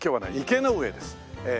池ノ上です。